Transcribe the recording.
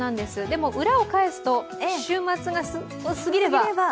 でも、裏を返すと、週末が過ぎれば。